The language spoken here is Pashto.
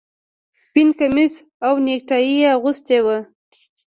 سپین کمیس او نیکټايي یې اغوستي وو